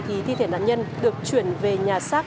thì thi thể nạn nhân được chuyển về nhà xác